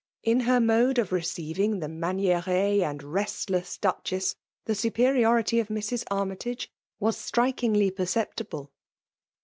In her mode of receiv ing the manieree and restless Duchess, the su* periority of Mrs. Armytage was strikingly perceptible.